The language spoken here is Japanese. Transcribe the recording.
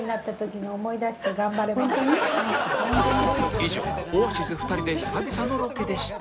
以上オアシズ２人で久々のロケでした